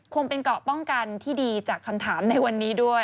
เป็นเกาะป้องกันที่ดีจากคำถามในวันนี้ด้วย